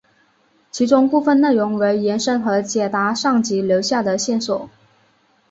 其中部分内容为延伸和解答上集留下的线索。